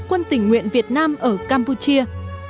quân tỉnh nguyện việt nam ở campuchia